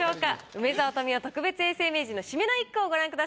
梅沢富美男特別永世名人の締めの一句をご覧ください。